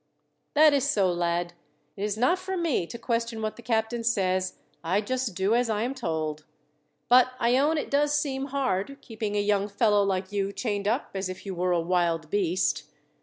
"That is so, lad. It is not for me to question what the captain says, I just do as I am told. But I own it does seem hard, keeping a young fellow like you chained up as if you were a wild beast.